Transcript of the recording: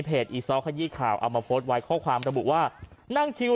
อีซ้อขยี้ข่าวเอามาโพสต์ไว้ข้อความระบุว่านั่งชิว